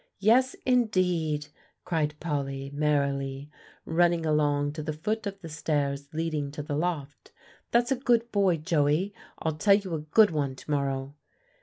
"Yes indeed," cried Polly merrily, running along to the foot of the stairs leading to the loft. "That's a good boy, Joey; I'll tell you a good one to morrow."